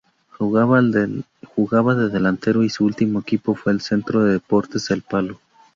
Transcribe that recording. Jugaba de delantero y su último equipo fue el Centro de Deportes El Palo.